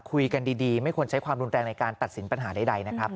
คุยกันดีไม่ควรใช้ความรุนแรงในการตัดสินปัญหาใดนะครับ